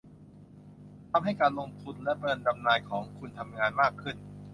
ทำให้การลงทุนและเงินบำนาญของคุณทำงานมากขึ้น